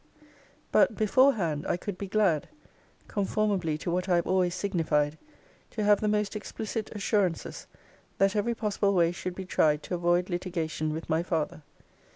But, beforehand, I could be glad, conformably to what I have always signified, to have the most explicit assurances, that every possible way should be tried to avoid litigation with my father.